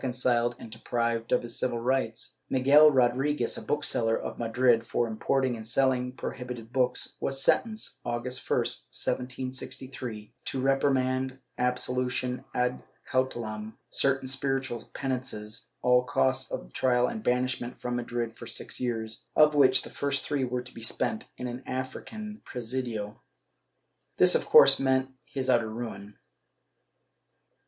de Valencia, Leer. 1. n. 4, fol. 226. 526 CENSORSHIP [Hook VIII deprived of his civil rights/ Miguel Rodriguez, a bookseller of Madrid, for importing and selling prohibited books, was sentenced, August 1, 1763, to reprimand, absolution ad cautelam, certain spiritual penances, all costs of trial and banishment from Madrid for six years, of which the first three were to be spent in an African presidio. This of course meant his utter ruin.